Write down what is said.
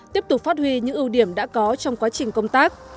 tiếp tục phát huy những ưu điểm đã có trong quá trình công tác